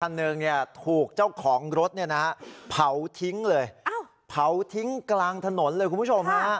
อันหนึ่งถูกเจ้าของรถเผาทิ้งกลางถนนเลยคุณผู้ชม